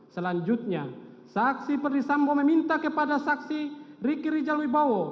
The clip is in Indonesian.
selanjutnya saksi perdisambo meminta kepada saksi ricky rijal wibowo